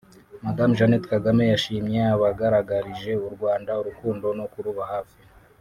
Madame Jeannette Kagame yashimye abagaragarije u Rwanda urukundo no kuruba hafi